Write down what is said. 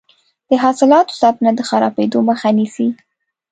د حاصلاتو ساتنه د خرابیدو مخه نیسي.